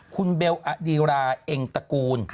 คุณเบลอดีราเอ็งตระกูล